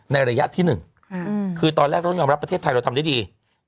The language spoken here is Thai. ระยะที่๑คือตอนแรกเรายอมรับประเทศไทยเราทำได้ดี